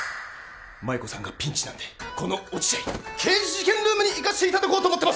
舞子さんがピンチなんでこの落合刑事事件ルームに行かせていただこうと思ってます